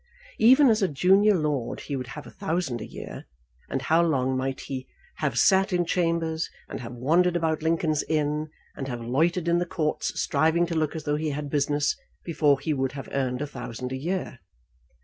Even as a junior lord he would have a thousand a year; and how long might he have sat in chambers, and have wandered about Lincoln's Inn, and have loitered in the courts striving to look as though he had business, before he would have earned a thousand a year!